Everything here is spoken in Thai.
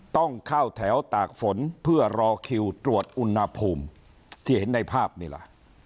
ต้องเข้าแถวตากฝนเพื่อรอคิวตรวจอุณหภูมิที่เห็นในภาพนี่ล่ะ